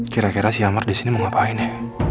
kira kira si kamar di sini mau ngapain ya